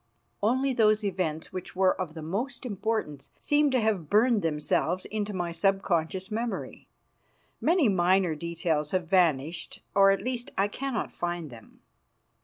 Only those events which were of the most importance seem to have burned themselves into my subconscious memory; many minor details have vanished, or, at least, I cannot find them.